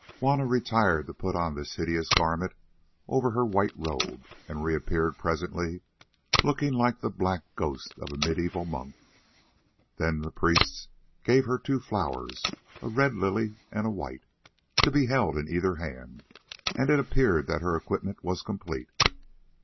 Juanna retired to put on this hideous garment over her white robe, and reappeared presently, looking like the black ghost of a mediaeval monk. Then the priests gave her two flowers, a red lily and a white, to be held in either hand, and it appeared that her equipment was complete.